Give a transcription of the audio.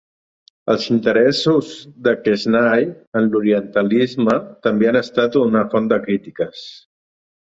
Els interessos de Quesnay en l'orientalisme també han estat una font de crítiques.